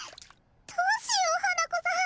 どうしよう花子さん